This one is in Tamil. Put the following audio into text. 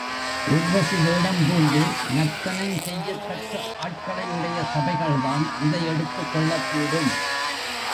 ஊர்வசி வேடம் பூண்டு நர்த்தனஞ் செய்யத்தக்க ஆட்களையுடைய சபைகள்தான் இதை எடுத்துக் கொள்ளக்கூடும்.